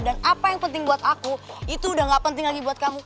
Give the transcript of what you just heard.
dan apa yang penting buat aku itu udah gak penting lagi buat kamu